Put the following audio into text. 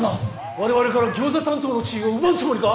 我々からギョーザ担当の地位を奪うつもりか？